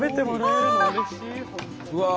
うわ！